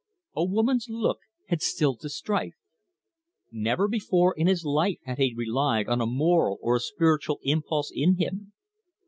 A woman's look had stilled the strife. Never before in his life had he relied on a moral or a spiritual impulse in him.